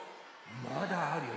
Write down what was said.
まだあるよ。